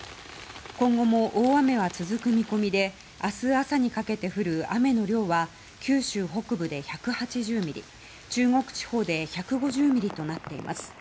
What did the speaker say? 今後も大雨は続く見込みで明日朝にかけて降る雨の量は九州北部で１８０ミリ中国地方で１５０ミリとなっています。